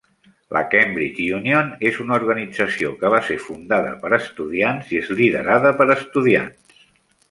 La Cambridge Union és una organització que va ser fundada per estudiants i és liderada per estudiants.